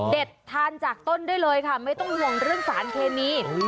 ทานจากต้นได้เลยค่ะไม่ต้องห่วงเรื่องสารเคมี